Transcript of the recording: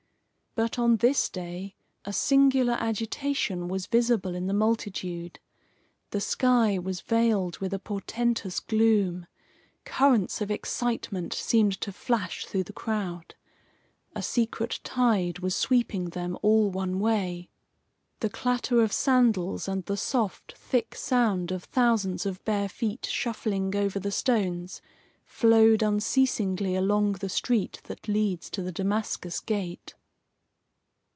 But on this day a singular agitation was visible in the multitude. The sky was veiled with a portentous gloom. Currents of excitement seemed to flash through the crowd. A secret tide was sweeping them all one way. The clatter of sandals and the soft, thick sound of thousands of bare feet shuffling over the stones, flowed unceasingly along the street that leads to the Damascus gate.